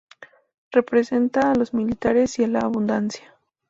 Representa a los militares y a la abundancia.